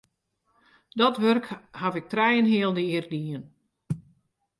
Dat wurk haw ik trije en in heal jier dien.